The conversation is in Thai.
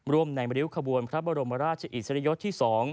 ร่วมในริ้วขบวนพระบรมราชอิสริยยศที่๒